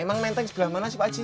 emang menteng sebelah mana pakcik